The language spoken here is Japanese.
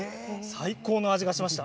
最高の味がしました。